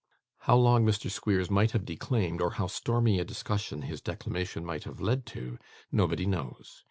How long Mr. Squeers might have declaimed, or how stormy a discussion his declamation might have led to, nobody knows.